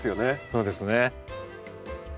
そうですね。